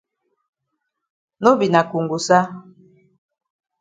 No be na kongosa.